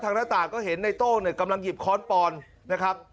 ทางหน้าต่างก็เห็นไอ้โต้งกำลังหยิบค้อนปอนนะครับ